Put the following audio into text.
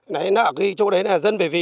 nó ở cái chỗ đấy là dân bởi vì